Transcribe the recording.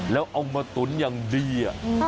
แล้วเอามาตุ๋นอย่างดี